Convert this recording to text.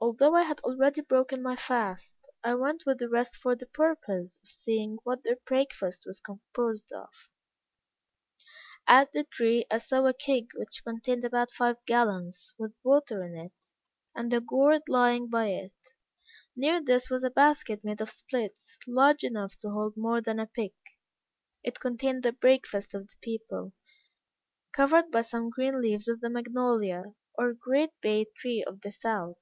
Although I had already broken my fast, I went with the rest for the purpose of seeing what their breakfast was composed of. At the tree I saw a keg which contained about five gallons, with water in it, and a gourd lying by it; near this was a basket made of splits, large enough to hold more than a peck. It contained the breakfast of the people, covered by some green leaves of the magnolia, or great bay tree of the South.